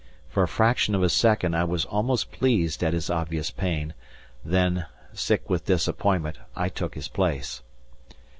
For a fraction of a second I was almost pleased at his obvious pain, then, sick with disappointment, I took his place.